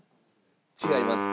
違います。